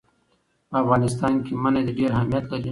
په افغانستان کې منی ډېر اهمیت لري.